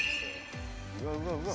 うわうわうわ。